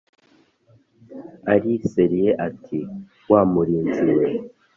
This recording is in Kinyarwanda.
ari i Seyiri j ati wa murinzi we